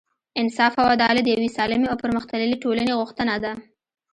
انصاف او عدالت د یوې سالمې او پرمختللې ټولنې غوښتنه ده.